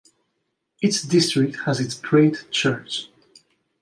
Each district has its Great Church.